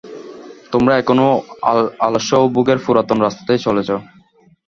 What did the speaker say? তোমরা এখনও আলস্য ও ভোগের পুরাতন রাস্তাতেই চলেছ।